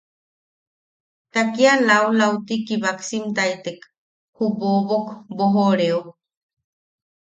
Ta kia laulauti kibaksimtaitek ju bobok boʼojooreo.